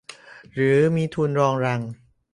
หรือมีทุนรองรัง